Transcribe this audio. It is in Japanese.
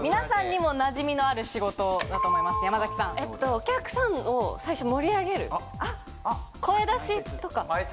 お客さんを最初盛り上げる声出しとか。